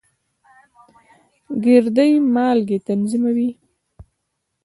ګردې مالګې تنظیموي.